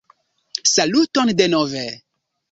Saluton denove!